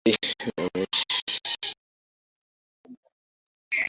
রমেশ বলে, তাহাতে উহার চুরির সুবিধা ঠিক দ্বিগুণ বাড়িয়া যায়।